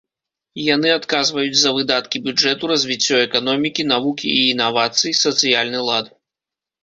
Яны адказваюць за выдаткі бюджэту, развіццё эканомікі, навукі і інавацый, сацыяльны лад.